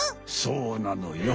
そうなのよ。